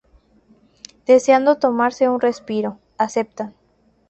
Deseando tomarse un respiro, aceptan.